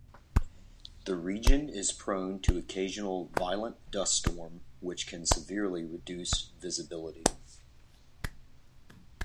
The region is prone to occasional, violent dust storm, which can severely reduce visibility.